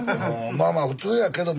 まあまあ普通やけども。